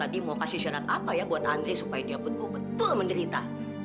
jadi dari industri dan pembinaan juga bisa